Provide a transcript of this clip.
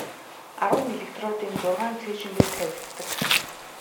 Арван электродын зургаа нь цээжин дээр тавигддаг.